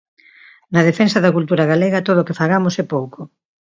Na defensa da cultura galega todo o que fagamos é pouco.